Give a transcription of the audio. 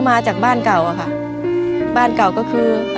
เมื่อ